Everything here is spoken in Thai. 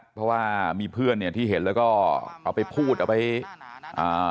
เพราะว่ามีเพื่อนเนี่ยที่เห็นแล้วก็เอาไปพูดเอาไปอ่า